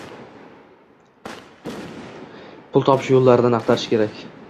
Pul topishni yo’llarini axtarish kerak